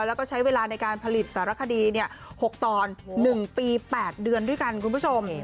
แล้วก็ใช้เวลาในการผลิตสารคดี๖ตอน๑ปี๘เดือนด้วยกันคุณผู้ชม